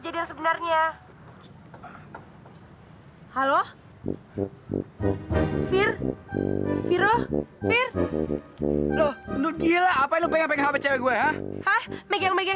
jelas jelas gua kan